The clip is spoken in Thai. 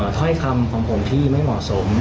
ถ้อยคำของผมที่ไม่เหมาะสม